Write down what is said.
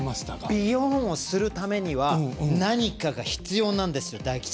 ビヨーンするためには何かが必要なんです。